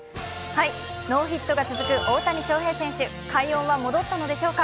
ノーヒットか続く大谷翔平選手、快音は戻ったのでしょうか。